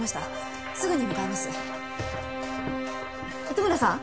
糸村さん。